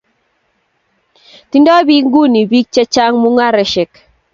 Tindoi bik nguni bik chechang mungaresiek